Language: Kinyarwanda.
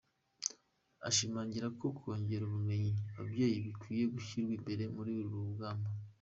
Ashimangira ko kongerera ubumenyi ababyeyi bikwiye gushyirwa imbere muri uru rugamba.